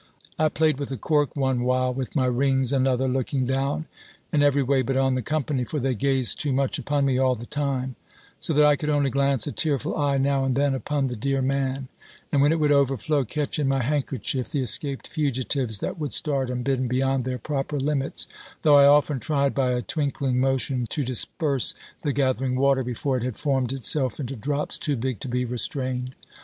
I played with a cork one while, with my rings another; looking down, and every way but on the company; for they gazed too much upon me all the time; so that I could only glance a tearful eye now and then upon the dear man; and when it would overflow, catch in my handkerchief the escaped fugitives that would start unbidden beyond their proper limits, though I often tried, by a twinkling motion, to disperse the gathering water, before it had formed itself into drops too big to be restrained.